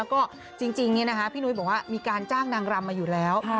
ก็จริงพี่นุ้ยบอกว่ามีการจ้างนางรำมาอยู่แล้ว